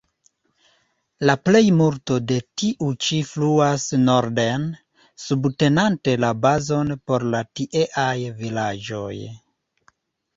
La plejmulto de tiu ĉi fluas norden, subtenante la bazon por la tieaj vilaĝoj.